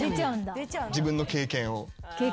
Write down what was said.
自分の経験を。